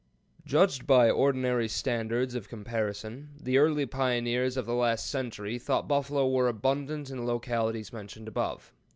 Judged by ordinary standards of comparison, the early pioneers of the last century thought buffalo were abundant in the localities mentioned above.